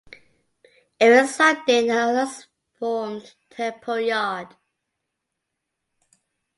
Erik Sundin and others formed Temple Yard.